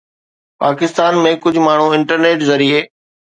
پاڪستان ۾ ڪجهه ماڻهو انٽرنيٽ ذريعي